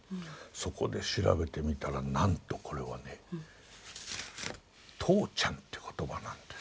そこで調べてみたらなんとこれはね「とうちゃん」っていう言葉なんですよ。